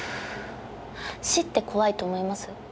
死って怖いと思います？